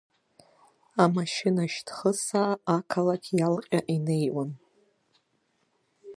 Амашьына шьҭхысаа ақалақь иалҟьа инеиуан.